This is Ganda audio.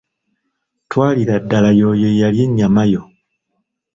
“Twalira ddala y’oyo eyalya ennyama yo.”